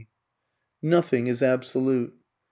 ] Nothing is absolute.